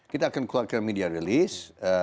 kita akan keluarkan media rilis